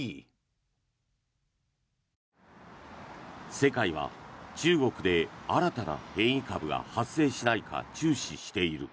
世界は中国で新たな変異株が発生しないか注視している。